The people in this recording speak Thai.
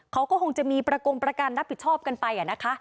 เขาก็คงจะมีประกงประกันรับผิดชอบกันไปนะคะ